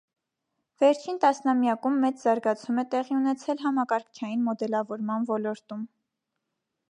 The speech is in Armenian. Վերջին տասնամյակում մեծ զարգացում է տեղի ունեցել համակարգչային մոդելավորման ոլորտում։